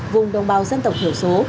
vùng đồng bào dân tộc hiểu số